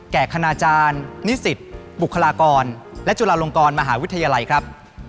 คณาจารย์นิสิตบุคลากรและจุฬาลงกรมหาวิทยาลัยครับ